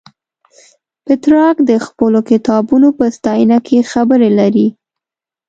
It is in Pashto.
پترارک د خپلو کتابونو په ستاینه کې خبرې لري.